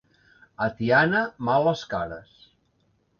A Tiana, males cares.